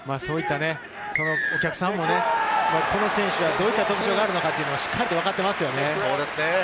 お客さんもこの選手はどういった特徴があるのか、しっかり分かっていますね。